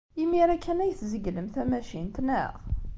Imir-a kan ay tzeglem tamacint, naɣ?